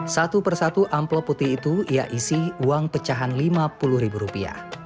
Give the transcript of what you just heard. satu persatu amplop putih itu ia isi uang pecahan lima puluh ribu rupiah